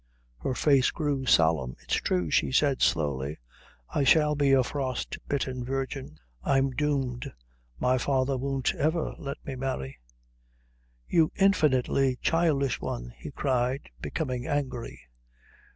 Her face grew solemn. "It's true," she said slowly. "I shall be a frostbitten virgin. I'm doomed. My father won't ever let me marry." "You infinitely childish one!" he cried, becoming angry.